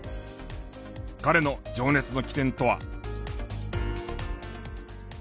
彼の情熱の起点とは？